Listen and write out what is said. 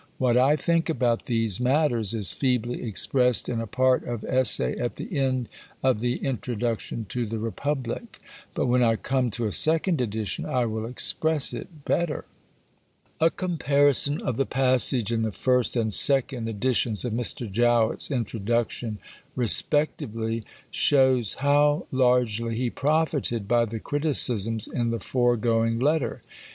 What I think about these matters is feebly expressed in a part of Essay at the end of the introduction to the Republic. But when I come to a second edition I will express it better. I have somewhat compressed the argument in this letter. A comparison of the passage in the first and second editions of Mr. Jowett's Introduction respectively shows how largely he profited by the criticisms in the foregoing letter.